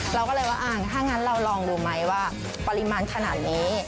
เราก็เลยว่าถ้างั้นเราลองดูไหมว่าปริมาณขนาดนี้